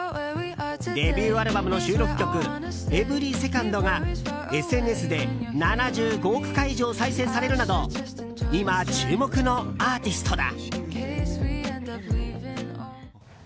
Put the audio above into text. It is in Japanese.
デビューアルバムの収録曲「エブリー・セカンド」がＳＮＳで７５億回以上再生されるなど今、注目のアーティストだ。